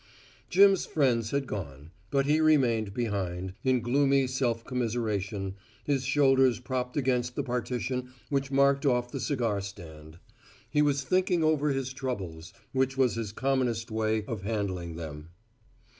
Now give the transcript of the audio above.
Jim's friends had gone, but he remained behind, in gloomy self commiseration, his shoulders propped against the partition which marked off the cigar stand. He was thinking over his troubles, which was his commonest way of handling them.